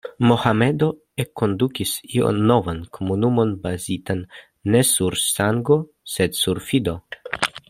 Mohamedo enkondukis ion novan: komunumon bazitan ne sur sango, sed sur fido.